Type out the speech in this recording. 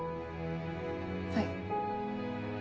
はい。